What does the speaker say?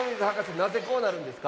なぜこうなるんですか？